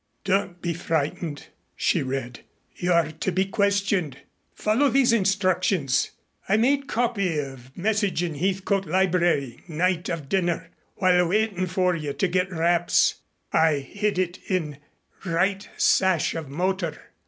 Don't be frightened [she read]. You are to be questioned. Follow these instructions. I made copy of message in Heathcote library night of dinner while waiting for you to get wraps. I hid it in right sash of motor.